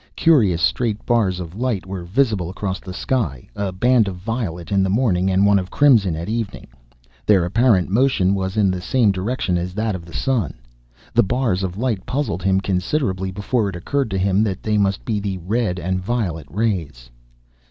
Curious straight bars of light were visible across the sky a band of violet in the morning; one of crimson at evening. Their apparent motion was in the same direction as that of the sun. The bars of light puzzled him considerably before it occurred to him that they must be the red and violet rays.